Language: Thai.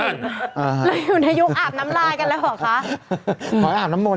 อ่าอออออเราอยู่ในยุคอาบน้ำลายกันแล้วหรอคะ